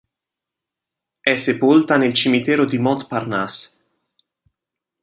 È sepolta nel Cimitero di Montparnasse.